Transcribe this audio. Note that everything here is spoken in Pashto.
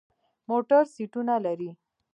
موټر سیټونه لري.